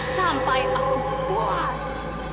sampai aku puas